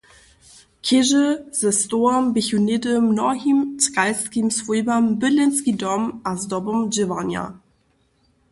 Chěžy ze stołom běchu něhdy mnohim tkalskim swójbam bydlenski dom a zdobom dźěłarnja.